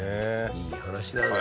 いい話だね。